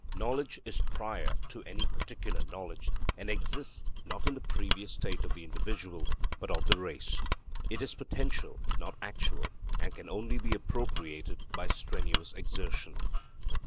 Knowledge is prior to any particular knowledge, and exists not in the previous state of the individual, but of the race. It is potential, not actual, and can only be appropriated by strenuous exertion.